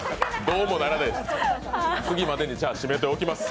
どうもならないです。